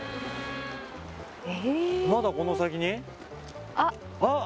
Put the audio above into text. えっまだこの先に？